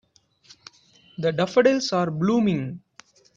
The daffodils are blooming.